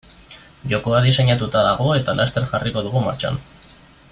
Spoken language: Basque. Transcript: Jokoa diseinatuta dago eta laster jarriko dugu martxan.